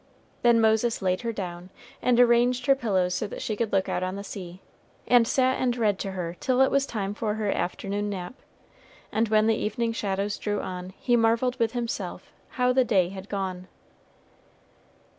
Then Moses laid her down, and arranged her pillows so that she could look out on the sea, and sat and read to her till it was time for her afternoon nap; and when the evening shadows drew on, he marveled with himself how the day had gone.